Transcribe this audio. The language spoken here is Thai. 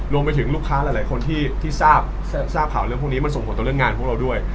ลูกค้าหลายคนที่ทราบข่าวเรื่องพวกนี้มันส่งผลต่อเรื่องงานของเราด้วย